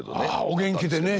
お元気でね。